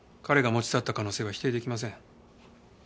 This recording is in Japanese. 彼が持ち去った可能性は否定できません。